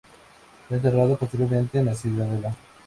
Fue enterrado posteriormente en la Ciudadela.